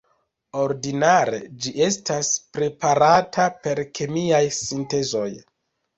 Ordinare ĝi estas preparata per kemiaj sintezoj.